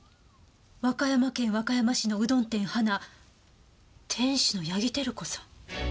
「和歌山県和歌山市のうどん店花」「店主の八木照子さん」